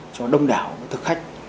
cho đông đảo cho thức khách